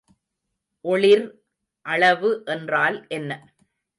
ஒளிர் அளவு என்றால் என்ன?